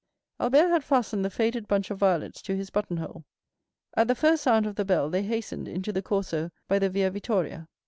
Albert had fastened the faded bunch of violets to his button hole. At the first sound of the bell they hastened into the Corso by the Via Vittoria.